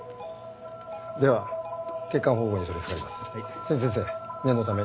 では血管縫合に取りかかります。